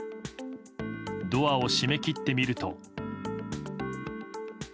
ドアを閉め切ってみると。